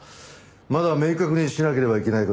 まだ明確にしなければいけない事が。